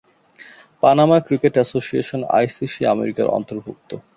Panama cricket association ICC আমেরিকার অন্তর্ভুক্ত।